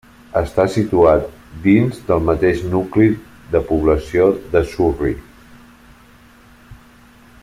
Està situat dins del mateix nucli de població de Surri.